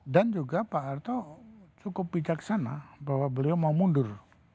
dan juga pak arto cukup bijaksana bahwa beliau mau mundur